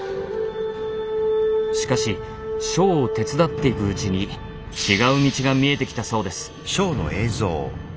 しかしショーを手伝っていくうちに違う道が見えてきたそうです。